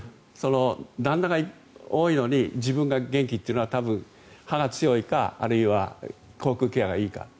旦那が多いのに自分が元気というのは多分、歯が強いかあるいは口腔ケアがいいか。